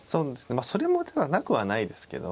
まあそれもただなくはないですけど。